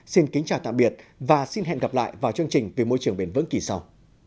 xin kính chào tạm biệt và xin hẹn gặp lại vào chương trình vì môi trường bền vững kỳ sau